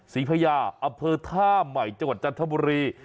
พญาอำเภอท่าใหม่จังหวัดจันทบุรี